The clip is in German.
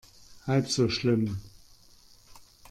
Halb so schlimm.